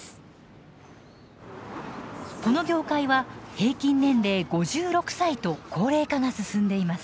この業界は平均年齢５６歳と高齢化が進んでいます。